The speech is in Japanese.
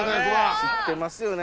知ってますよね。